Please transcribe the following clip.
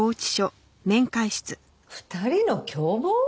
２人の共謀？